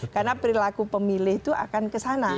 karena perilaku pemilih itu akan kesana